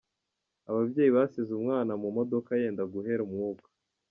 Ababyeyi basize umwana mu modoka yenda guhera umwuka